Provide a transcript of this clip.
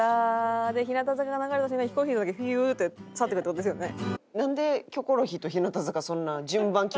で日向坂が流れた瞬間にヒコロヒーさんだけヒューッて去っていくって事ですよね。